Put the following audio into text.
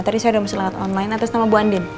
tadi saya udah mesin online atas nama bu andin